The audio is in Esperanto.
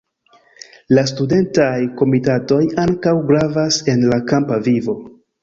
La studentaj komitatoj ankaŭ gravas en la kampa vivo.